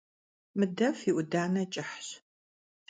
Mıdef yi 'udane ç'ıhş.